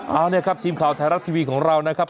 เอาเนี่ยครับทีมข่าวไทยรัฐทีวีของเรานะครับ